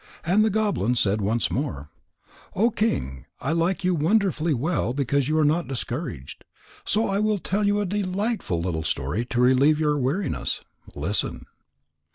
And the goblin said once more: "O King, I like you wonderfully well because you are not discouraged. So I will tell you a delightful little story to relieve your weariness. Listen."